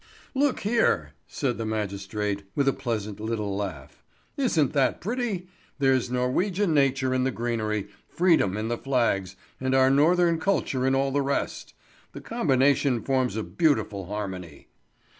"Look here!" said the magistrate, with a pleasant little laugh. "Isn't that pretty? There's Norwegian nature in the greenery, freedom in the flags, and our northern culture in all the rest. The combination forms a beautiful harmony."